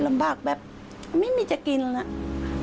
ลำบากแบบไม่มีจะกินแล้ว